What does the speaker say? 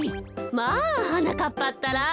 まあはなかっぱったら。